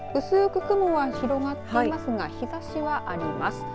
薄く雲は広がっていますが日ざしはあります。